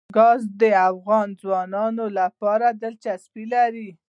ګاز د افغان ځوانانو لپاره دلچسپي لري.